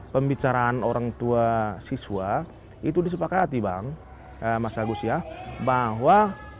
pembicaraan orang tua siswa itu disepakati bang mas agus ya bahwa